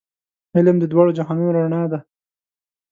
علم د دواړو جهانونو رڼا ده.